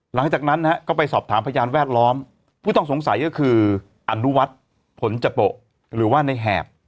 หลังจากนั้นนะฮะก็ไปสอบถามพยานแวดล้อมผู้ต้องสงสัยก็คืออนุวัฒน์ผลจโปะหรือว่าในแหบ